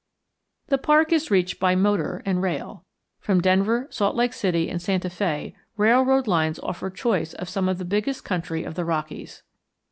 The park is reached by motor and rail. From Denver, Salt Lake City, and Santa Fé railroad routes offer choice of some of the biggest country of the Rockies.